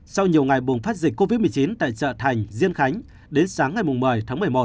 sau nhiều ngày bùng phát dịch covid một mươi chín tại chợ thành diên khánh đến sáng ngày một mươi tháng một mươi một